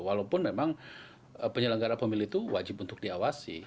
walaupun memang penyelenggara pemilu itu wajib untuk diawasi